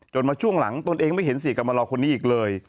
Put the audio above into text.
มาช่วงหลังตนเองไม่เห็นเสียกรรมลอคนนี้อีกเลย